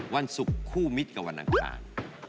วันศุกร์คู่มิตรกับวันอังคาร